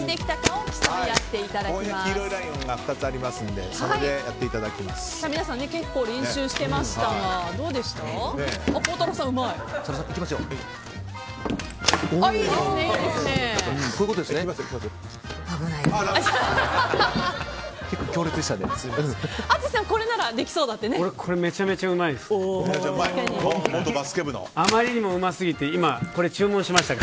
黄色いラインが２つありますので皆さん結構練習していましたがどうでした？